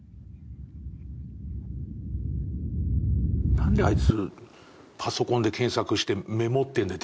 何であいつパソコンで検索してメモってんだよ